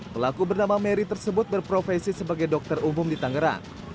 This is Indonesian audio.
pelaku bernama mary tersebut berprofesi sebagai dokter umum di tangerang